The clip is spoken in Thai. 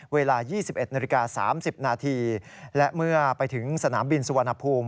เวลา๒๑๓๐นและเมื่อไปถึงสนามบินสุวรรณภูมิ